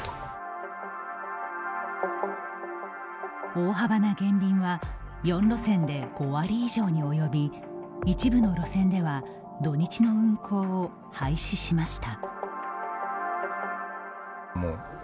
大幅な減便は４路線で５割以上におよび一部の路線では土日の運行を廃止しました。